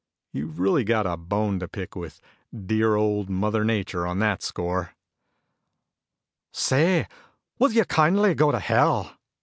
You've really got a bone to pick with dear old Mother Nature on that score!" "Say, will you kindly go to Hell!"